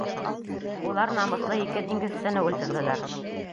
Улар намыҫлы ике диңгеҙсене үлтерҙеләр.